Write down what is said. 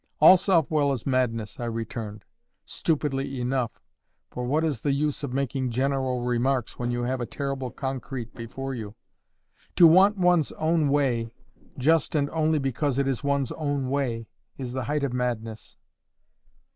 "All self will is madness," I returned—stupidly enough For what is the use of making general remarks when you have a terrible concrete before you? "To want one's own way just and only because it is one's own way is the height of madness."